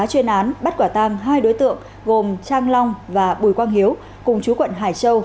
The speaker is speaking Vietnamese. chuyên án bắt quả tang hai đối tượng gồm trang long và bùi quang hiếu cùng chú quận hải châu